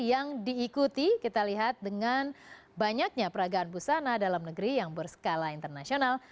yang diikuti kita lihat dengan banyaknya peragaan busana dalam negeri yang berskala internasional